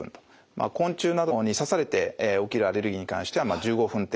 昆虫などに刺されて起きるアレルギーに関しては１５分程度。